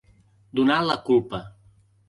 Donar la culpa.